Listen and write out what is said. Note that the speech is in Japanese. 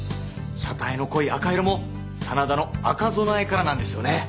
車体の濃い赤色も真田の赤備えからなんですよね。